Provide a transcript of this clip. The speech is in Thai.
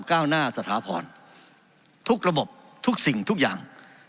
ก้าวหน้าสถาพรทุกระบบทุกสิ่งทุกอย่าง